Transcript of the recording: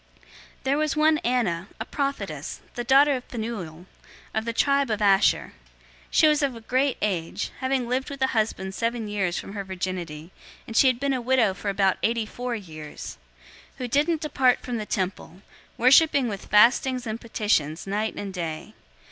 002:036 There was one Anna, a prophetess, the daughter of Phanuel, of the tribe of Asher (she was of a great age, having lived with a husband seven years from her virginity, 002:037 and she had been a widow for about eighty four years), who didn't depart from the temple, worshipping with fastings and petitions night and day.